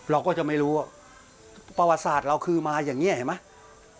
เราก็จะไม่รู้ประวัติศาสตร์เราคือมาอย่างนี้เห็นไหม